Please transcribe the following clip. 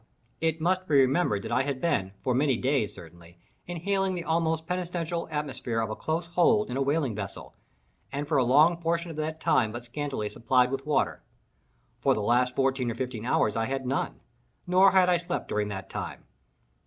It must be remembered that I had been, for many days certainly, inhaling the almost pestilential atmosphere of a close hold in a whaling vessel, and for a long portion of that time but scantily supplied with water. For the last fourteen or fifteen hours I had none—nor had I slept during that time.